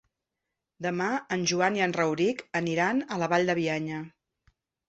Demà en Joan i en Rauric aniran a la Vall de Bianya.